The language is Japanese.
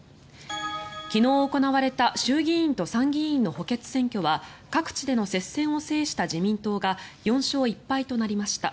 昨日、行われた衆議院と参議院の補欠選挙は各地での接戦を制した自民党が４勝１敗となりました。